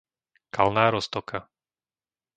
Kalná Roztoka